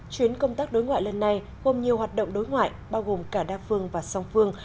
chuyến công tác đối ngoại lần này gồm nhiều hoạt động đối ngoại bao gồm cả đa phương và song phương